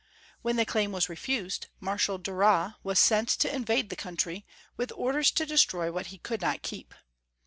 When the claim was refused, Marshal Duras was sent to invade the country, with orders to destroy what he could not keep.